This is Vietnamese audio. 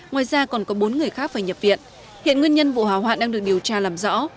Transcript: ngoài ra còn có bốn người khác phải nhập viện hiện nguyên nhân vụ hỏa hoạn đang được điều tra làm rõ